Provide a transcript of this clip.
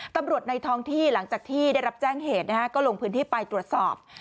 ในท้องที่หลังจากที่ได้รับแจ้งเหตุก็ลงพื้นที่ไปตรวจสอบ